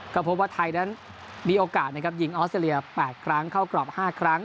ก็พบว่าไทยนั้นมีโอกาสนะครับยิงออสเตรเลีย๘ครั้งเข้ากรอบ๕ครั้ง